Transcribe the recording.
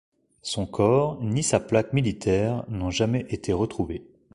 Son corps, ni sa plaque militaire n'ont jamais été retrouvés.